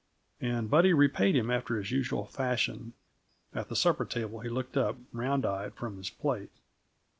And Buddy repaid him after his usual fashion. At the supper table he looked up, round eyed, from his plate.